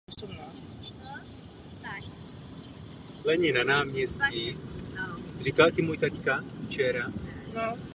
Evropská komise však umíněně odmítá pokročit v těchto návrzích dále.